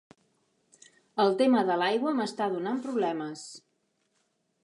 El tema de l'aigua m'està donant problemes.